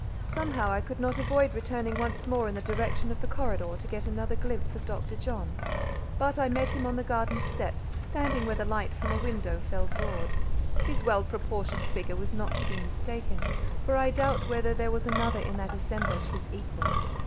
Somehow I could not avoid returning once more in the direction of the corridor to get another glimpse of Dr. John; but I met him on the garden steps, standing where the light from a window fell broad. His well proportioned figure was not to be mistaken, for I doubt whether there was another in that assemblage his equal.